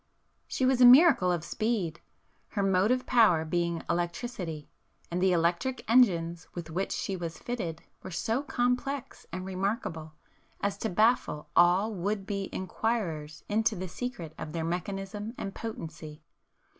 She was a miracle of speed, her motive power being electricity; and the electric engines with which she was fitted were so complex and remarkable as to baffle all would be inquirers into the secret of their mechanism and potency.